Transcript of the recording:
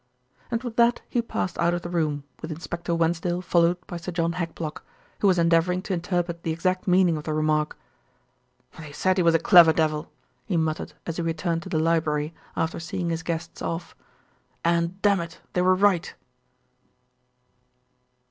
And with that he passed out of the room with Inspector Wensdale followed by Sir John Hackblock, who was endeavouring to interpret the exact meaning of the remark. "They said he was a clever devil," he muttered as he returned to the library after seeing his guests off, "and, dammit! they were right."